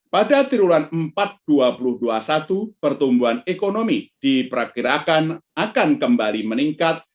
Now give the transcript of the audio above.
pada triwulan empat dua ribu dua puluh satu pertumbuhan ekonomi diperkirakan akan kembali meningkat